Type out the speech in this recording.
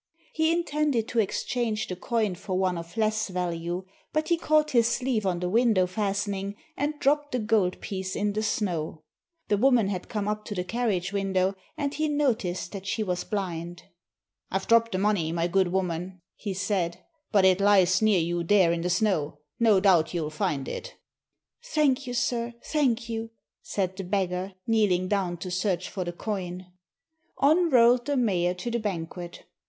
He intended to exchange the coin for one of less value, but he caught his sleeve on the window fastening, and dropped the gold piece in the snow. The woman had come up to the carriage window, and he noticed that she was blind. "I've dropped the money, my good woman," he said, "but it lies near you there in the snow. No doubt you'll find it." "Thank you, sir, thank you," said the beggar, kneeling down to search for the coin. On rolled the mayor to the banquet.